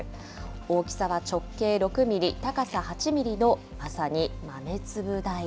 大きさは直径６ミリ、高さ８ミリの、まさに豆粒大。